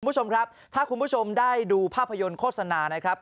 คุณผู้ชมครับถ้าคุณผู้ชมได้ดูภาพยนตร์โฆษณานะครับ